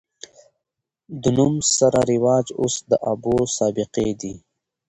د نوم سره رواج اوس د ابو د سابقې دے